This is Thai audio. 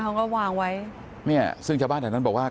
เขาก็วางไว้เนี่ยซึ่งชาวบ้านแถวนั้นบอกว่า